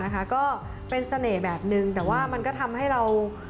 ก็เป็นเสน่ห์แบบนึงแต่ว่ามันก็ทำให้เรา